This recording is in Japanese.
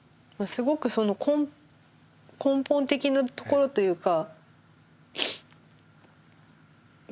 すごく根本的なところというか。